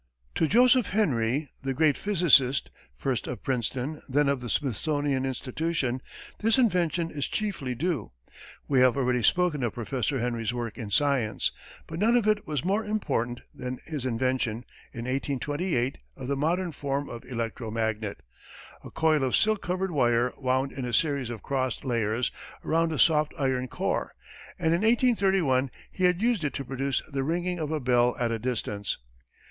To Joseph Henry, the great physicist, first of Princeton, then of the Smithsonian Institution, this invention is chiefly due. We have already spoken of Professor Henry's work in science, but none of it was more important than his invention, in 1828, of the modern form of electro magnet a coil of silk covered wire wound in a series of crossed layers around a soft iron core, and in 1831, he had used it to produce the ringing of a bell at a distance.